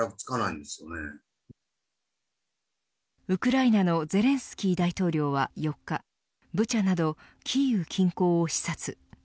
ウクライナのゼレンスキー大統領は４日ブチャなどキーウ近郊を視察